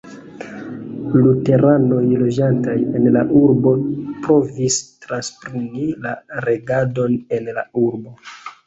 Luteranoj loĝantaj en la urbo provis transpreni la regadon en la urbo.